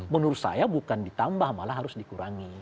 menurut saya bukan ditambah malah harus dikurangi